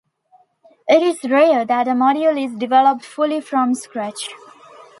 It is rare that a module is developed fully from scratch.